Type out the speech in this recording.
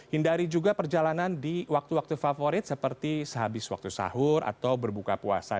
hindari juga perjalanan di waktu waktu favorit seperti sehabis waktu sahur atau berbuka puasa